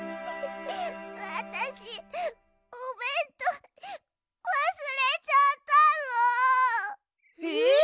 あたしおべんとうわすれちゃったの。え！？